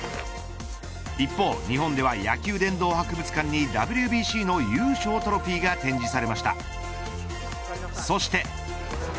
一方、日本では野球殿堂博物館にＷＢＣの優勝トロフィーが展示されました。